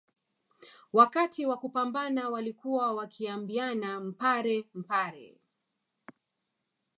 Wakati wa kupambana walikuwa wakiambiana mpare mpare